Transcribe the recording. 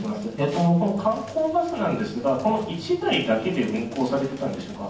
その観光バスなんですが、この１台だけで運行されてたんでしょうか。